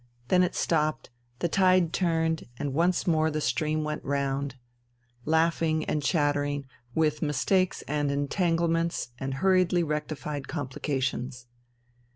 Then it stopped, the tide turned, and once more the stream went round, laughing and chattering, with mistakes and entanglements and hurriedly rectified complications.